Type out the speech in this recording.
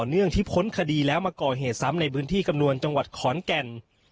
เนื่องที่พ้นคดีแล้วมาก่อเหตุซ้ำในพื้นที่กำนวณจังหวัดขอนแก่น